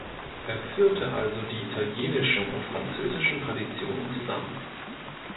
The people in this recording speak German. Er führte also die italienischen und französischen Traditionen zusammen.